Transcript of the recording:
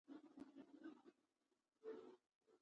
هغومره سمې روزنې او پالنې ته هم اړ دي.